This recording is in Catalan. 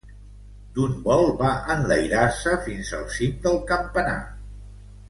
D'un vol va enlairar-se fins al cim del campanar.